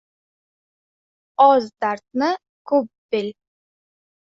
— Oz dardni ko‘p bil.